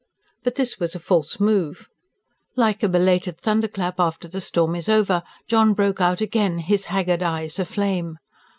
But this was a false move. Like a belated thunderclap after the storm is over, John broke out again, his haggard eyes aflame.